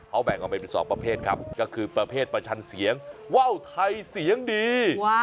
เขาแบ่งออกเป็น๒ประเภทครับก็คือประเภทประชันเสียงว่าวไทยเสียงดี